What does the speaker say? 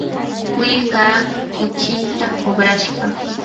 willkaa kuchinta uqrashqa.